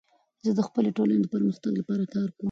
زه د خپلي ټولني د پرمختګ لپاره کار کوم.